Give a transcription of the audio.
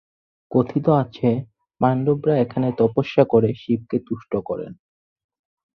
কথিত আছে, পাণ্ডবরা এখানে তপস্যা করে শিবকে তুষ্ট করেন।